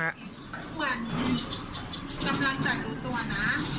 ช่วงวันกำลังจะรู้ตัวนะ